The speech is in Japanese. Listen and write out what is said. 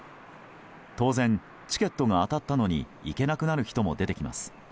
当然、チケットが当たったのに行けなくなる人も出てきます。